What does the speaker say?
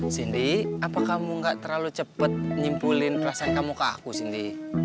cindy apa kamu gak terlalu cepat nyimpulin perasaan kamu ke aku cindy